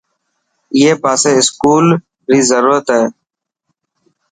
اڻي پاسي اسڪول ري ضرورت هي.